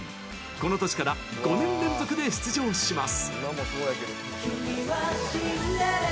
この年から５年連続で出場します。